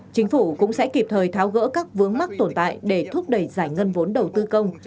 chính phủ cũng sẽ kịp thời tháo gỡ các vướng mắc tồn tại để thúc đẩy giải ngân vốn đầu tư công